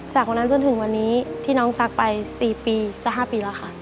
จากวันนั้นจนถึงวันนี้ที่น้องซักไป๔ปีจะ๕ปีแล้วค่ะ